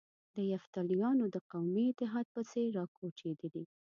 د یفتلیانو د قومي اتحاد په څېر را کوچېدلي.